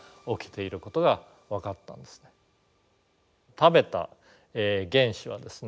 食べた原子はですね